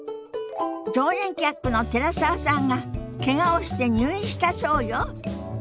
常連客の寺澤さんがけがをして入院したそうよ。